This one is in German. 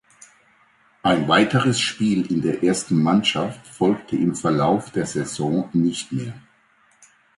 Ein weiteres Spiel in der ersten Mannschaft folgte im Verlauf der Saison nicht mehr.